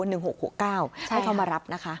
ให้เขามารับนะคะ